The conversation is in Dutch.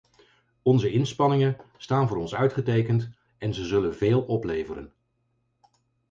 Onze inspanningen staan voor ons uitgetekend en ze zullen veel opleveren.